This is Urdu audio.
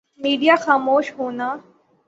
میڈیا خاموش ہونا